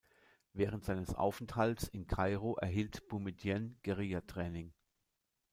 Während seines Aufenthalts in Kairo erhielt Boumedienne Guerilla-Training.